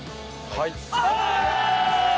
はい。